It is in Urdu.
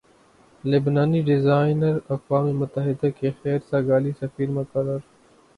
لبنانی ڈیزائنر اقوام متحدہ کے خیر سگالی سفیر مقرر